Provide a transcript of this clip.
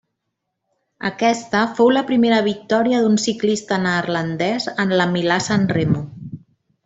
Aquesta fou la primera victòria d'un ciclista neerlandès en la Milà-Sanremo.